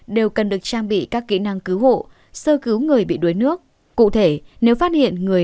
đều cần được trang bị các kỹ năng cứu hộ sơ cứu người bị đuối nước cụ thể nếu phát hiện người